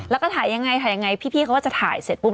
แล้วก็ถ่ายยังไงถ่ายยังไงพี่เขาก็จะถ่ายเสร็จปุ๊บ